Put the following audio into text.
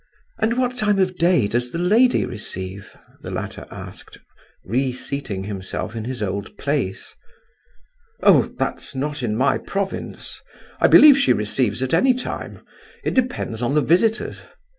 "And what time of day does the lady receive?" the latter asked, reseating himself in his old place. "Oh, that's not in my province! I believe she receives at any time; it depends upon the visitors.